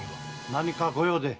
・何か御用で？